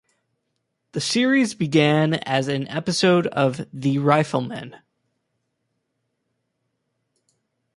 The series began as an episode of "The Rifleman".